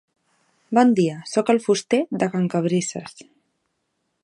Bon dia, soc el fuster de can Cabrisses.